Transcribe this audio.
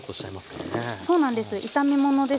そうなんです。